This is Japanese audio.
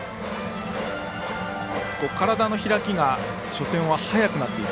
体の開きが初戦は早くなっていた。